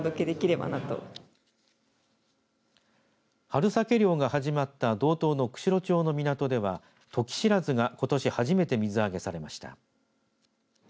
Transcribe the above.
春サケ漁が始まった道東の釧路町の港ではトキシラズがことし初めて水揚げされました。